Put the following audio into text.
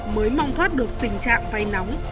mới mong thoát được tình trạng vay nóng